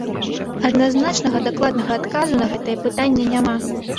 Адназначнага дакладнага адказу на гэтае пытанне няма.